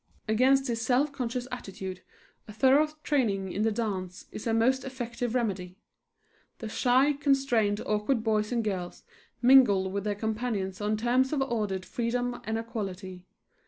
Against this self conscious attitude a thorough training in the dance is a most effective remedy. The shy, constrained, awkward boys and girls mingle with their companions on terms of ordered freedom and equality.